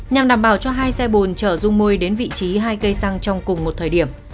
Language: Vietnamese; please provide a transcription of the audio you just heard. nhằm đảm bảo cho hai xe bồn chở rung môi đến vị trí hai cây xăng trong cùng một thời điểm